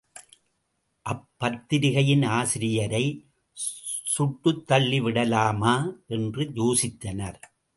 அப்பத்திரிகையின் ஆசிரியரைச் சுட்டுத்தள்ளிவிடலாமா என்று யோசித்தனர்.